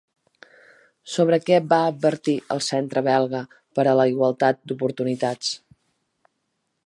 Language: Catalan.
Sobre què va advertir el Centre belga per a la Igualtat d'Oportunitats?